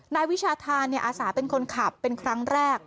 นายวิชาธานอาสาเป็นคนขับเป็นครั้งแรก